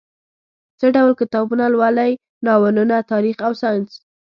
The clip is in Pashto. څه ډول کتابونه لولئ؟ ناولونه، تاریخ او ساینس